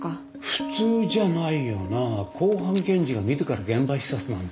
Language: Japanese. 普通じゃないよなあ公判検事が自ら現場視察なんて。